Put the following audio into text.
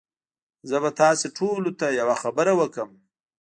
زه به تاسي ټوله ته یوه خبره وکړم